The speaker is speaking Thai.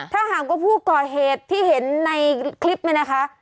ถ้าหากว่าผู้ก่อเหตุที่เห็นในคลิปนี้นะคะ